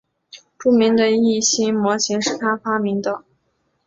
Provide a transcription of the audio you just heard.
著名的易辛模型是他发明的。